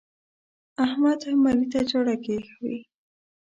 احمد هم علي ته چاړه کښوي.